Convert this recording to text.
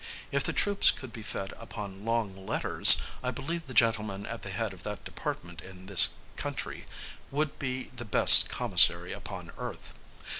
If the troops could be fed upon long letters, I believe the gentleman at the head of that department in this country would be the best commissary upon earth.